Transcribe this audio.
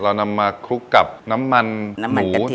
เรานำมาคลุกกับน้ำมันหมู